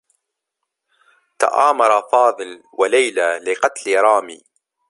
تآمرا فاضل و ليلى لقتل رامي.